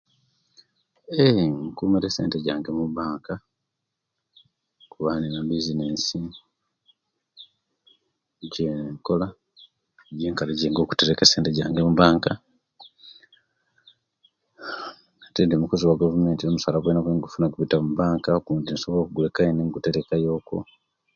Eee nkumira esente jange mubanka kuba inina ebizinesi egiyen kola enkarejinga okutereka esente jange omubanka ate indi kikoze we gavumenti nosaba musala ogwenfuna nguta mubanka ogundi nsobola oguleka you negutayoku